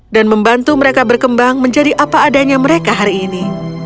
dan membantu mereka berkembang menjadi apa adanya mereka hari ini